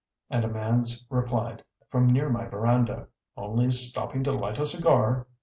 and a man's replied, from near my veranda: "Only stopping to light a cigar."